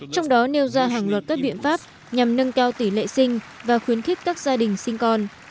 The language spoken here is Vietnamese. trong đó nêu ra hàng loạt các biện pháp nhằm nâng cao tỷ lệ sinh và khuyến khích các gia đình sinh con